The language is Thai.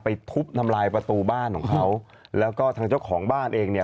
ทุบทำลายประตูบ้านของเขาแล้วก็ทางเจ้าของบ้านเองเนี่ย